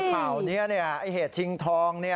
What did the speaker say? นี่คือข่าวนี้เนี่ยเหตุชิงทองเนี่ย